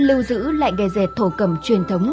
lưu giữ lại gai dệt thổ cầm truyền thống